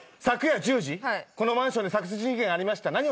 昨夜１０時このマンションで殺人事件がありました。